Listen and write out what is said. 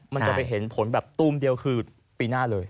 มันจะไปเห็นผลแบบตูมเดียวคือปีหน้าเลย